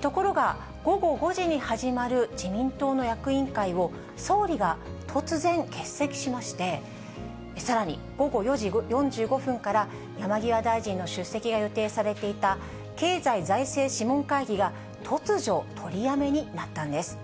ところが、午後５時に始まる自民党の役員会を総理が突然欠席しまして、さらに午後５時４５分から、山際大臣の出席が予定されていた、経済財政諮問会議が突如、取りやめになったんです。